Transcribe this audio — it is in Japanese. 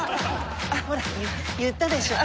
ほら言ったでしょ？